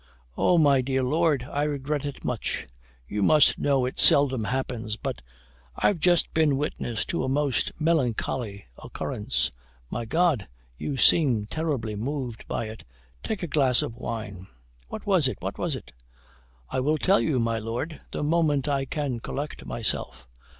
"Oh, my dear Lord, I regret it much; you must know it seldom happens, but I've just been witness to a most melancholy occurrence." "My God! you seem terribly moved by it take a glass of wine. What was it? what was it?" "I will tell you, my Lord, the moment I can collect myself.